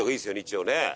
一応ね。